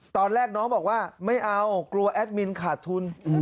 ตอนแรกน้องบอกว่าไม่เอากลัวแอดมินขาดทุน